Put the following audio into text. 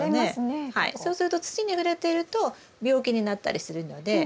そうすると土に触れていると病気になったりするので。